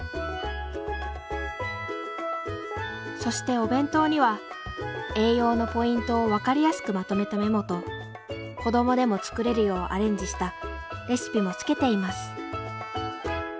そしてお弁当には栄養のポイントを分かりやすくまとめたメモと子どもでも作れるようアレンジしたレシピもつけています。